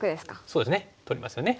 そうですね取りますよね。